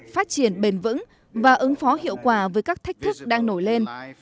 phát triển bền vững và ứng phó hiệu quả với các thách thức đang nổi lên